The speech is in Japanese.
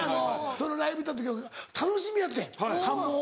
そのライブ行った時楽しみやってん関門大橋。